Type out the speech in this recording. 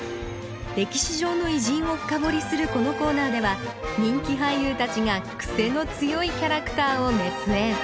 歴史上の偉人を深掘りするこのコーナーでは人気俳優たちが癖の強いキャラクターを熱演